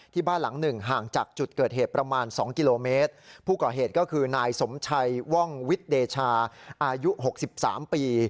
บ้านหลังหนึ่งห่างจากจุดเกิดเหตุประมาณสองกิโลเมตรผู้ก่อเหตุก็คือนายสมชัยว่องวิทย์เดชาอายุหกสิบสามปี